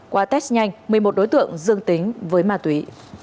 qua test nhanh một mươi một đối tượng dương tính với ma túy